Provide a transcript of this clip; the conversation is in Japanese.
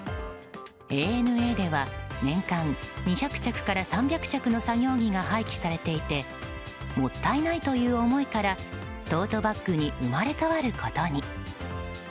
ＡＮＡでは年間２００着から３００着の作業着が廃棄されていてもったいないという思いからトートバッグに生まれ変わることに。